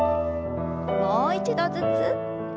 もう一度ずつ。